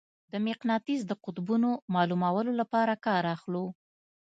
د مقناطیس د قطبونو معلومولو لپاره کار اخلو.